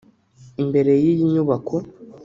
Imbere y’iyi nyubako